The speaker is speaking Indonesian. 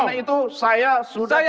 oleh karena itu saya sudah cukup